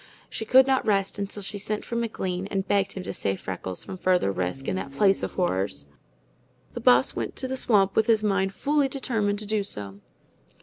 She could not rest until she sent for McLean and begged him to save Freckles from further risk, in that place of horrors. The Boss went to the swamp with his mind fully determined to do so.